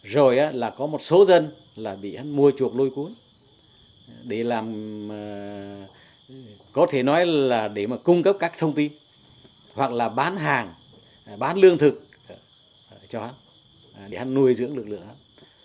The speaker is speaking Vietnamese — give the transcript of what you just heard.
rồi là có một số dân là bị hắn mua chuộc lôi cuối để làm có thể nói là để mà cung cấp các thông tin hoặc là bán hàng bán lương thực cho hắn để hắn nuôi dưỡng lực lượng hắn